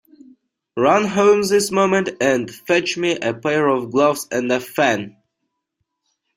Run home this moment, and fetch me a pair of gloves and a fan!